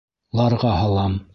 Ларға һалам!